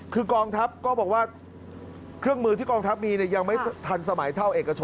คือกองทัพก็บอกว่าเครื่องมือที่กองทัพมียังไม่ทันสมัยเท่าเอกชน